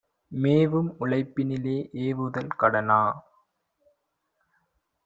மேவும் உழைப்பினிலே ஏவுதல் கடனா?